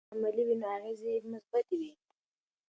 که طرحې علمي وي نو اغېزې یې مثبتې وي.